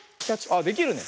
あっできるね。